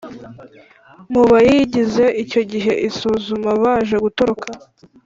mu bayigize Icyo gihe isuzuma baje gutoroka.